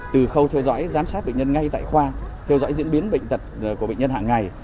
từ khâu theo dõi giám sát bệnh nhân ngay tại khoa theo dõi diễn biến bệnh tật của bệnh nhân hàng ngày